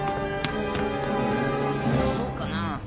そうかなぁ。